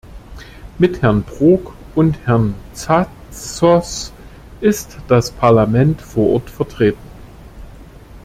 Mit Herrn Brok und Herrn Tsatsos ist das Parlament vor Ort vertreten.